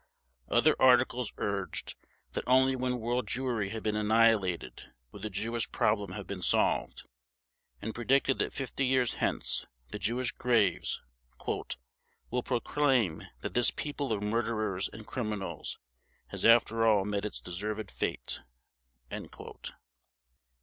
Other articles urged that only when world Jewry had been annihilated would the Jewish problem have been solved, and predicted that 50 years hence the Jewish graves "will proclaim that this people of murderers and criminals has after all met its deserved fate".